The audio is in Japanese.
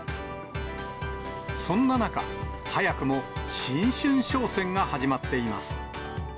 そんな中、早くも新春商戦が始まっています。